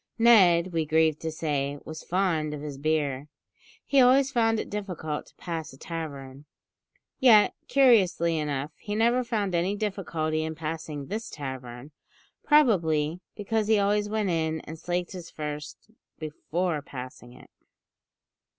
Ned, we grieve to say, was fond of his beer; he always found it difficult to pass a tavern. Yet, curiously enough, he never found any difficulty in passing this tavern; probably because he always went in and slaked his thirst before passing it.